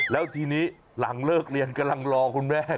แล้วทีนี้หลังเลิกเรียนกำลังรอคุณแม่